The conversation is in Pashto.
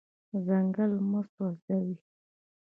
ځنګل مه سوځوئ.